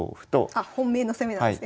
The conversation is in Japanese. あっ本命の攻めなんですね